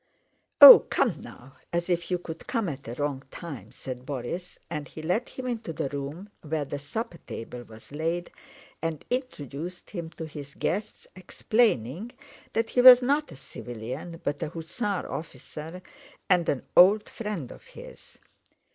"Oh, come now! As if you could come at a wrong time!" said Borís, and he led him into the room where the supper table was laid and introduced him to his guests, explaining that he was not a civilian, but an hussar officer, and an old friend of his.